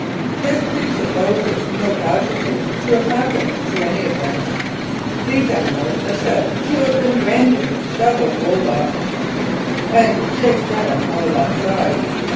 "This pre supposes no casualties to have happened to any of them. "These animals are said to have been all branded ^ and Jy on the left side.